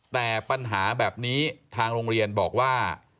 แต่ปัญหาแบบนี้ทางโรงเรียนบอกว่า